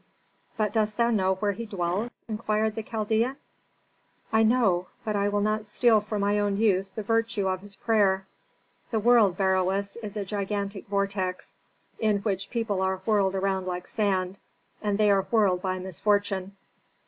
"But dost thou know where he dwells?" inquired the Chaldean. "I know, but I will not steal for my own use the virtue of his prayer. The world, Beroes, is a gigantic vortex, in which people are whirled around like sand, and they are whirled by misfortune.